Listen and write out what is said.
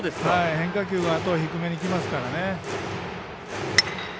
変化球のあと低めにきますからね。